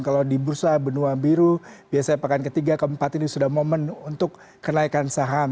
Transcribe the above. kalau di bursa benua biru biasanya pekan ketiga keempat ini sudah momen untuk kenaikan saham